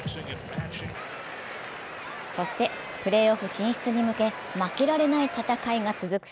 そしてプレーオフ進出に向け、負けられない戦いが続く